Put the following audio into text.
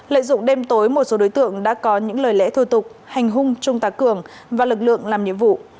lợi dụng đêm tối một số đối tượng đã có những lời lẽ thô tục hành hung trung tá cường và lực lượng làm nhiệm vụ